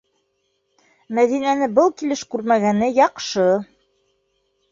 Мәҙинәне был килеш күрмәгәне яҡшы.